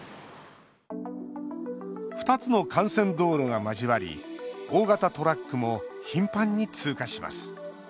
２つの幹線道路が交わり大型トラックも頻繁に通過します。